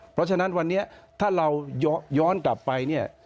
เพราะฉะนั้นวันนี้ถ้าเราย้อนกลับไปเนี่ย